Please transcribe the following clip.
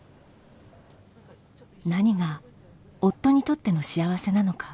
何が夫にとっての幸せなのか。